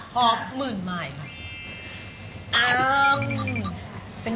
หอมหมื่นไมล์ค่ะ